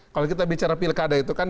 kalau kita bicara pilkada itu kan